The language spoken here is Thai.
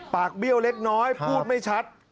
เบี้ยวเล็กน้อยพูดไม่ชัด